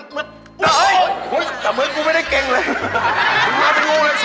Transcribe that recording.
แต่เหมือนกูไม่ได้เก่งเลย